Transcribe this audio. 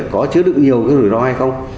có chứa được nhiều cái rủi ro hay không